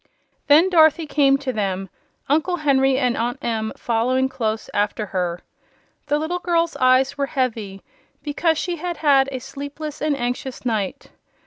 Then Dorothy came to them, Uncle Henry and Aunt Em following close after her. The little girl's eyes were heavy because she had had a sleepless and anxious night.